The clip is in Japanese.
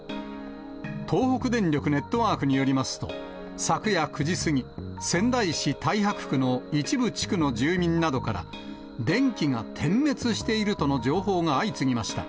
東北電力ネットワークによりますと、昨夜９時過ぎ、仙台市太白区の一部地区の住民などから、電気が点滅しているとの情報が相次ぎました。